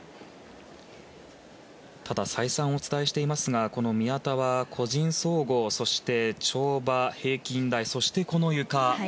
ただ再三、お伝えしていますがこの宮田は個人総合そして跳馬、平均台そして、このゆか。